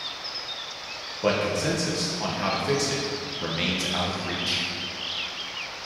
But consensus on how to fix it remains out of reach.